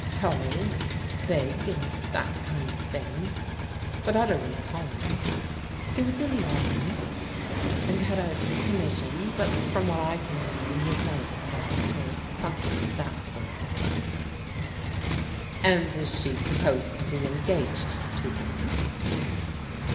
Tall and big, and that kind of thing, but utterly common. He was in the army, and had a commission, but from what I can learn he is now a clerk, or something of that sort." " And is she supposed to be engaged to him